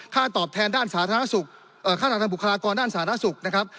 ตอบแทนด้านสาธารณสุขค่าทางบุคลากรด้านสาธารณสุขนะครับ